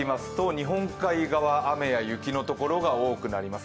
日本海側は雨や雪のところが多くなります。